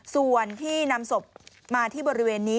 ส่วนที่นำศพมาที่บริเวณนี้